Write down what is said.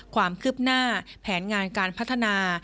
ความคืบหน้าแผนงานการพัฒนา